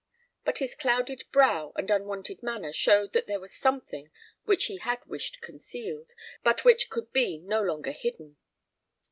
But his clouded brow and unwonted manner showed that there was something which he had wished concealed, but which could be no longer hidden.